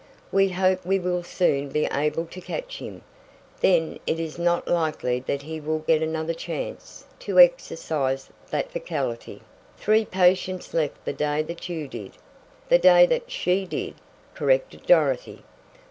"We hope we will soon be able to catch him then it is not likely that he will get another chance to exercise that faculty. Three patients left the day that you did." "The day that she did," corrected Dorothy.